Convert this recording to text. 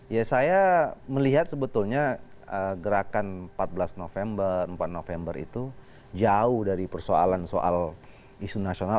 ya saya melihat sebetulnya gerakan empat belas november empat november itu jauh dari persoalan soal isu nasional